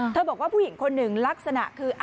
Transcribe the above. บอกว่าผู้หญิงคนหนึ่งลักษณะคือ